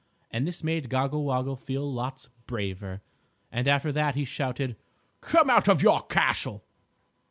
and this made Goggle Woggle feel lots braver. And after that he shouted: "Come out of your castle!"